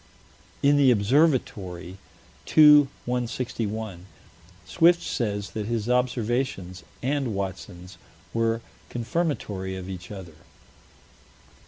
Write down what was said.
In the Observatory, 2 161, Swift says that his observations and Watson's were "confirmatory of each other."